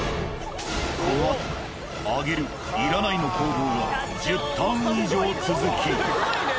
このあとあげるいらないの攻防が１０ターン以上続き。